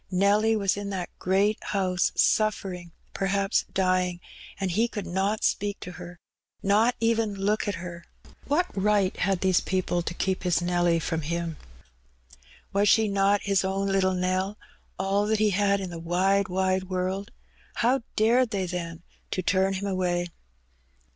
Nelly was in that great house sufiering, perhaps dying ; and he could not speak to her — not even look at her. What right had these people to keep his Nelly from him ? Was not she his own little Nell, all that he had in the wide, wide world? How dared they, then, to turn him away